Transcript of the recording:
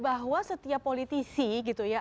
bahwa setiap politisi gitu ya